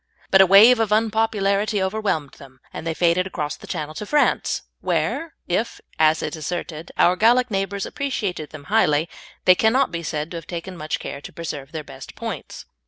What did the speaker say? But a wave of unpopularity overwhelmed them, and they faded across the Channel to France, where, if, as is asserted, our Gallic neighbours appreciated them highly, they cannot be said to have taken much care to preserve their best points.